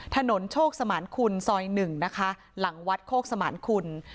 ถนนโชคสมานคุณซอย๑นะคะหลังวัดโคกสมานคุณ